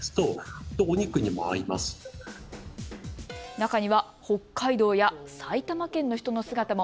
中には北海道や埼玉県の人の姿も。